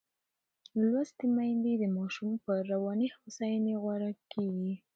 لوستې میندې د ماشوم پر رواني هوساینې غور کوي.